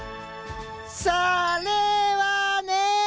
それはね。